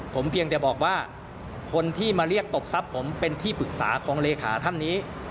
ผมเพียงแต่บอกว่าคนที่มาเรียกตบทรัพย์ผมเป็นที่ปรึกษาของเลขาท่านนี้